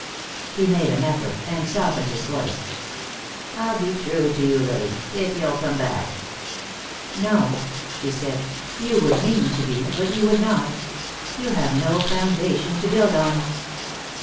He made an effort, and softened his voice. "I'll be true to you, Lily, if you'll come back." "No," she said, "you would mean to be, but you would not. You have no foundation to build on."